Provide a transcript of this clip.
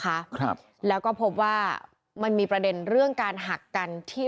บัญชีเรียบร้อยแล้วนะคะครับแล้วก็พบว่ามันมีประเด็นเรื่องการหักกันที่